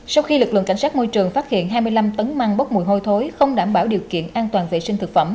sau khi lực lượng cảnh sát môi trường phát hiện hai mươi năm tấn măng bốc mùi hôi thối không đảm bảo điều kiện an toàn vệ sinh thực phẩm